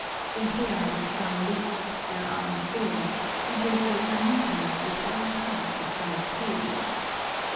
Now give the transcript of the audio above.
Their hair was flung loose, their arms bare, and they wore camisas with wide stripes of bright hues.